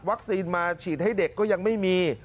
วัคซีนมาฉีดให้เด็กก็ยังไม่มี